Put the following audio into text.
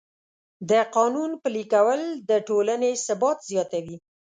د قانون پلي کول د ټولنې ثبات زیاتوي.